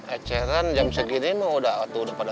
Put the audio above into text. enceran jam segini mah udah pada tutup tuh nih